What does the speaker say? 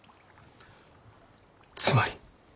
つまり。